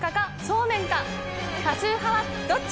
多数派はどっち？